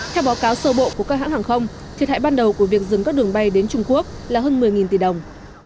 theo báo cáo sơ bộ của các hãng hàng không thiệt hại ban đầu của việc dừng các đường bay đến trung quốc là hơn một mươi tỷ đồng